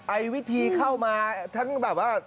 ไอ้วิธีเข้ามาทั้งแบบว่า